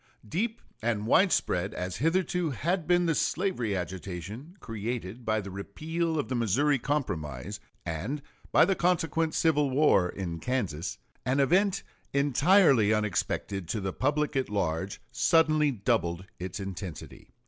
Deep and widespread as hitherto had been the slavery agitation created by the repeal of the Missouri Compromise and by the consequent civil war in Kansas, an event entirely unexpected to the public at large suddenly doubled its intensity.